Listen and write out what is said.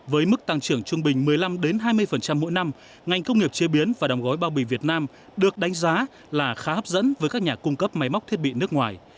với mức tăng trưởng trung bình một mươi năm hai mươi mỗi năm ngành công nghiệp chế biến và đóng gói bao bì việt nam được đánh giá là khá hấp dẫn với các nhà cung cấp máy móc thiết bị nước ngoài